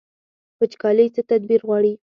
وچکالي څه تدبیر غواړي؟